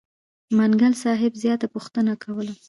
منګل صاحب زیاته پوښتنه کوله.